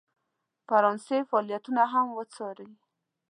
فرانسې فعالیتونه هم وڅاري.